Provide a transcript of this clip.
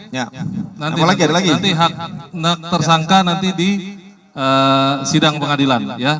nanti hak tersangka nanti di sidang pengadilan